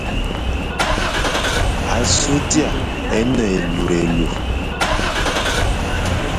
Asu d ia e ne élurélur.